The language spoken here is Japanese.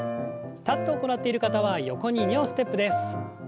立って行っている方は横に２歩ステップです。